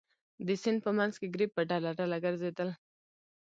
د سیند په منځ کې ګرېب په ډله ډله ګرځېدل.